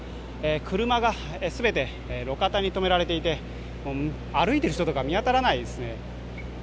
車が全て路肩に止められていて、歩いている人とか見当たらないですね。